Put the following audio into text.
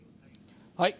はい。